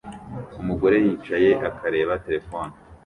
Umugore yicaye akareba terefone